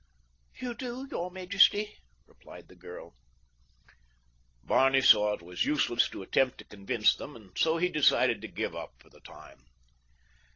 "You do, your majesty," replied the girl. Barney saw it was useless to attempt to convince them and so he decided to give up for the time.